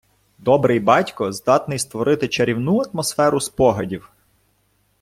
Добрий батько здатний створити чарівну атмосферу спогадів.